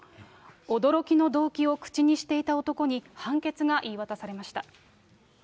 驚きの動機を口にしていた男に、判決が言い渡されました。